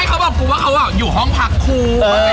เขาบอกครูว่าเขาอยู่ห้องพักครู